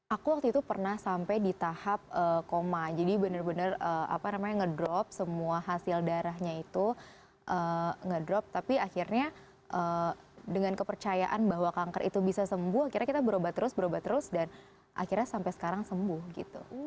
aku waktu itu pernah sampai di tahap koma jadi benar benar apa namanya ngedrop semua hasil darahnya itu ngedrop tapi akhirnya dengan kepercayaan bahwa kanker itu bisa sembuh akhirnya kita berobat terus berubah terus dan akhirnya sampai sekarang sembuh gitu